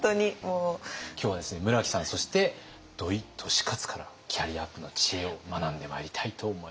今日はですね村木さんそして土井利勝からキャリアアップの知恵を学んでまいりたいと思います。